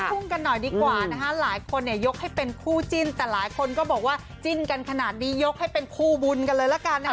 ทุ่งกันหน่อยดีกว่านะคะหลายคนเนี่ยยกให้เป็นคู่จิ้นแต่หลายคนก็บอกว่าจิ้นกันขนาดนี้ยกให้เป็นคู่บุญกันเลยละกันนะคะ